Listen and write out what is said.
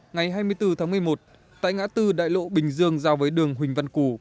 ngày hai mươi bốn tháng một mươi một tại ngã tư đại lộ bình dương giao với đường huỳnh văn cù